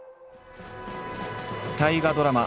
大河ドラマ